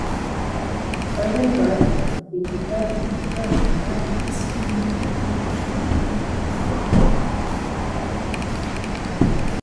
"Urban Gardening" featured gardening in urban environments.